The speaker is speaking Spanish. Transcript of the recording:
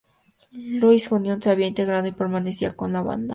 Louis Union, se había integrado y permanecería con la banda.